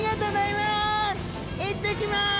いってきます！